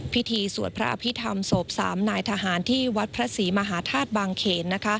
พิธีสวดพระอภิษฐรรมศพ๓นายทหารที่วัดพระศรีมหาธาตุบางเขน